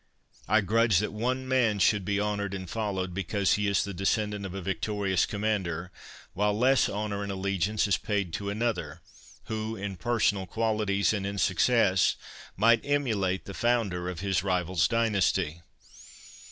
I grudge that one man should be honoured and followed, because he is the descendant of a victorious commander, while less honour and allegiance is paid to another, who, in personal qualities, and in success, might emulate the founder of his rival's dynasty.